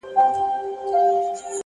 د تجربې ښوونه تل ژوره وي!